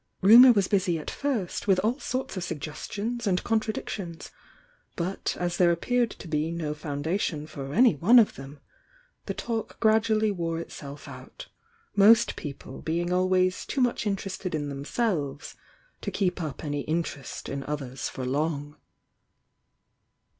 Rumour was busy at first with all sorts of suggestions and contradictions, but as there ap peared to be no foundation for any one of ihem, the talk gradually wore itself out, most people being always too much interested in themselves to keep up any interest in others for long.